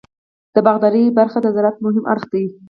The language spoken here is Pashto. د باغدارۍ برخه د زراعت مهم اړخ دی.